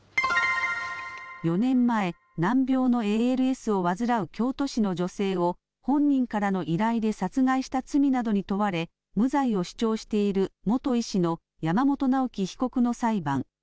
４年前、難病のＡＬＳを患う京都市の女性を、本人からの依頼で殺害した罪などに問われ、無罪を主張している元医師の山本直樹被告の裁判。